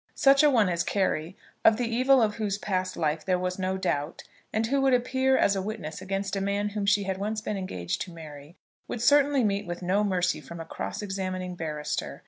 Such a one as Carry, of the evil of whose past life there was no doubt, and who would appear as a witness against a man whom she had once been engaged to marry, would certainly meet with no mercy from a cross examining barrister.